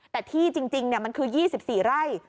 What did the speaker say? แต่ที่จริงมันคือ๒๔ไร่